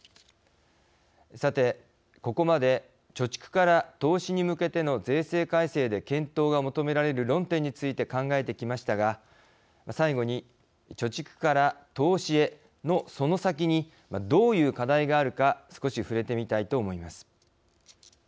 さて、ここまで貯蓄から投資に向けての税制改正で検討が求められる論点について考えてきましたが、最後に貯蓄から投資へのその先にどういう課題があるか少しふれてみたいと思います。